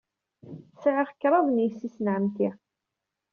Sɛiɣ kraḍt n yessi-s n ɛemmti.